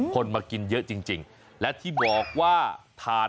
คนมากินเยอะจริงและที่บอกว่าถาด